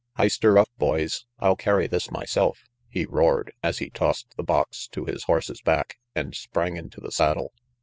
"Hist her up, boys. I'll carry this myself," he roared, as he tossed the box to his horse's back and sprang into the saddle.